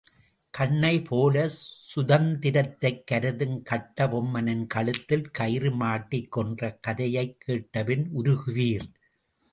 கண்ணைப் போலச் சுதந்தி ரத்தைக் கருதும் கட்ட பொம்மனின் கழுத்தில் கயிறு மாட்டிக் கொன்ற கதையைக் கேட்பின் உருகுவீர்!